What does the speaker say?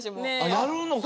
やるのか。